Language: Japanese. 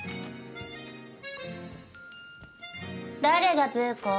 誰がブー子？